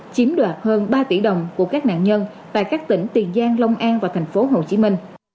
chiếm đoạt hơn ba tỷ đồng của các nạn nhân tại các tỉnh tiền giang long an và thành phố hồ chí minh